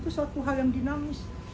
itu suatu hal yang dinamis